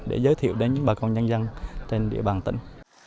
để giới thiệu đến bà con nhân dân trên địa bàn tỉnh